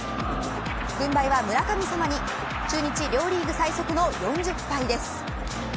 軍配は村神様に中日両リーグ最速の４０敗です。